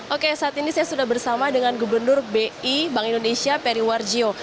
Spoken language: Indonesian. oke saat ini saya sudah bersama dengan gubernur bi bank indonesia peri warjio